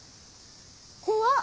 怖っ！